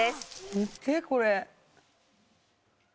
見てこれ。